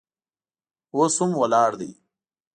اوس هم ولاړ دی.